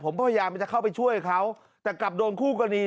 ผมพยายามจะเข้าไปช่วยเขาแต่กลับโดนคู่กรณี